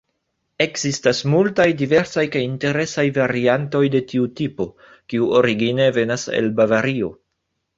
Ekzistas multaj diversaj kaj interesaj variantoj de tiu tipo, kiu origine venas el Bavario.